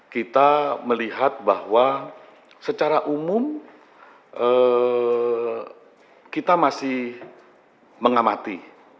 kita melihat bahwa secara umum kita masih mengamati